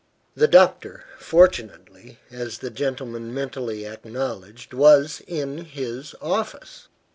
The doctor, fortunately, as the gentleman mentally acknowledged, was in his office.